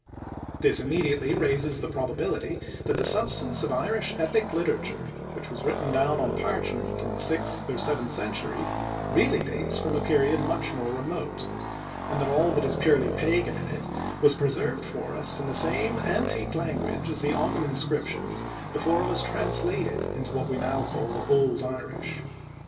This immediately raises the probability that the substance of Irish epic literature (which was written down on parchment in the sixth or seventh century) really dates from a period much more remote, and that all that is purely pagan in it was preserved for us in the same antique language as the Ogam inscriptions before it was translated into what we now call "Old Irish."